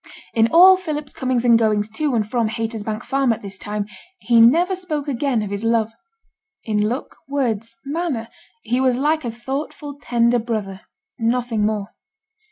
In all Philip's comings and goings to and from Haytersbank Farm at this time, he never spoke again of his love. In look, words, manner, he was like a thoughtful, tender brother; nothing more.